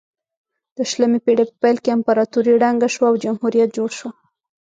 د شلمې پیړۍ په پیل کې امپراتوري ړنګه شوه او جمهوریت جوړ شو.